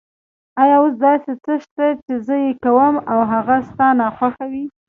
آیا اوس داسې څه شته چې زه یې کوم او هغه ستا ناخوښه وي؟